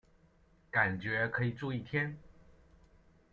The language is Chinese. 感觉可以住一天